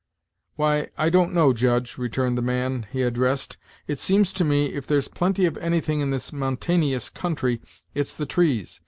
"Why, I don't know, Judge," returned the man he ad dressed; "it seems to me, if there's plenty of anything in this mountaynious country, it's the trees.